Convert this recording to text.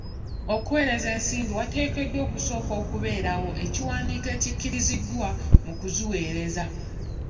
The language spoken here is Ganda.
Okuweereza ensimbi wateekeddwa okusooka okubeerawo ekiwandiko ekikkiriziddwa mu kuziweereza.